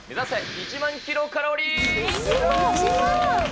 １万キロカロリー。